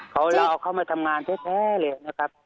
เขาเราเอาเข้ามาทำงานแท้เลยนะครับ